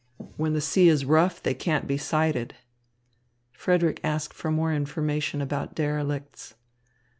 When the sea is rough, they can't be sighted." Frederick asked for more information about derelicts.